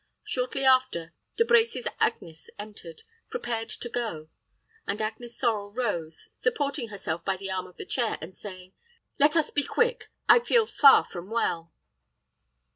Shortly after, De Brecy's Agnes entered, prepared to go; and Agnes Sorel rose, supporting herself by the arm of the chair, and saying, "Let us be quick; I feel far from well."